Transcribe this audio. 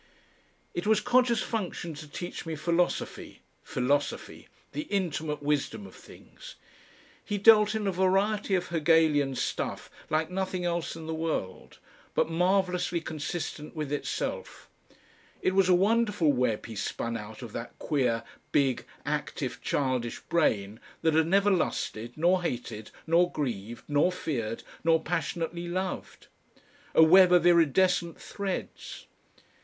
It was Codger's function to teach me philosophy, philosophy! the intimate wisdom of things. He dealt in a variety of Hegelian stuff like nothing else in the world, but marvellously consistent with itself. It was a wonderful web he spun out of that queer big active childish brain that had never lusted nor hated nor grieved nor feared nor passionately loved, a web of iridescent threads.